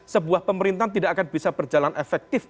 sebuah pemerintahan tidak akan bisa berjalan efektif